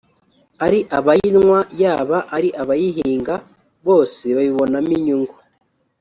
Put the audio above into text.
ari abayinywa yaba ari abayihinga bose babibonamo inyungu